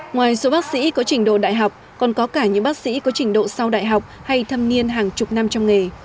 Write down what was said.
ngoài số bác sĩ có trình độ đại học còn có cả những bác sĩ có trình độ sau đại học hay thâm niên hàng chục năm trong nghề